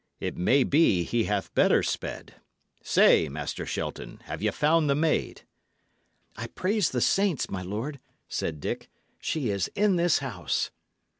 It may be he hath better sped. Say, Master Shelton, have ye found the maid?" "I praise the saints, my lord," said Dick, "she is in this house."